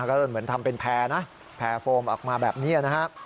ก็เหมือนทำเป็นแพร่นะแพร่โฟมออกมาแบบนี้นะครับ